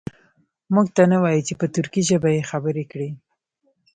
موږ ته نه وایي چې په ترکي ژبه یې خبرې کړي.